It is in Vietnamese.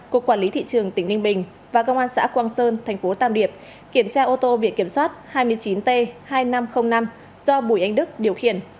cục quản lý thị trường tỉnh ninh bình và công an xã quang sơn thành phố tam điệp kiểm tra ô tô biển kiểm soát hai mươi chín t hai nghìn năm trăm linh năm do bùi anh đức điều khiển